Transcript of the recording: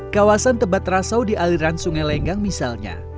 kawasan tebat rasau di aliran sungai lenggang misalnya